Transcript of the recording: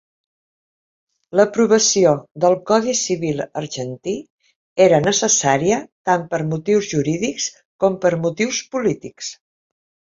L'aprovació del Codi Civil argentí era necessària tant per motius jurídics com per motius polítics.